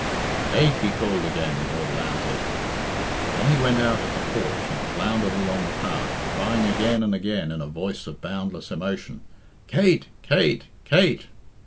"Kate!" he called again more loudly. Then he went out at the porch and floundered along the path, crying again and again, in a voice of boundless emotion, "Kate! Kate! Kate!"